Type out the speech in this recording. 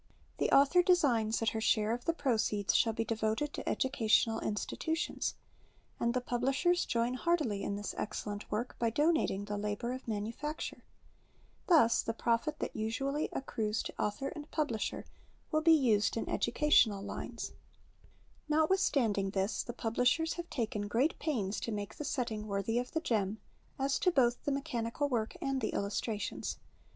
The author designs that her share of the proceeds shall be devoted to educational institutions ; and the publishers join heartily in this excellent zvork by donating the Ictbor of manufacture . Thus the profit that usually aiorii.es to author and publisher will be used in educational' nWs.' 8 Preface Notwithstanding this the publisliers have taken great pains to make the setting worthy of the gem, as to both the mechanical zvork and the illustrations.